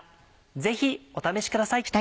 ぜひお試しください。